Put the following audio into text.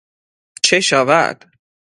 چه شود